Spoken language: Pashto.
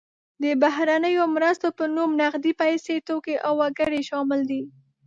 د بهرنیو مرستو په نوم نغدې پیسې، توکي او وګړي شامل دي.